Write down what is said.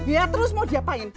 ya terus mau diapain